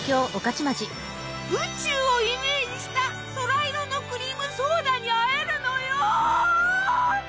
宇宙をイメージした宙色のクリームソーダに会えるのよ！